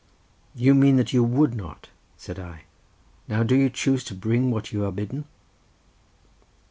"You mean that you would not," said I. "Now do you choose to bring what you are bidden?"